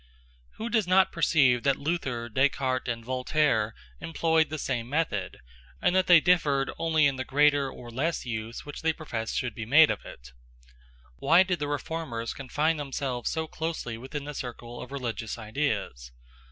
Who does not perceive that Luther, Descartes, and Voltaire employed the same method, and that they differed only in the greater or less use which they professed should be made of it? Why did the Reformers confine themselves so closely within the circle of religious ideas?